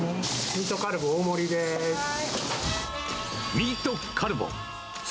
ミートカルボ１つ。